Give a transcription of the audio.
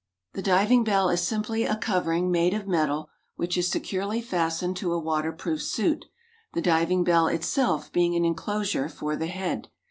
= The diving bell is simply a covering made of metal, which is securely fastened to a water proof suit, the diving bell itself being an enclosure for the head.